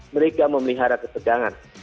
mereka memelihara ketegangan